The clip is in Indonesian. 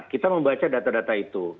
kita membaca data data itu